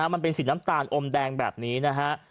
มันเป็นสีน้ำตาลอมแดงแบบนี้นะฮะ